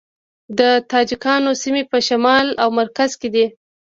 د تاجکانو سیمې په شمال او مرکز کې دي